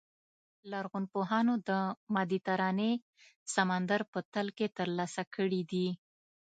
لرغونپوهانو د مدیترانې سمندر په تل کې ترلاسه کړي دي.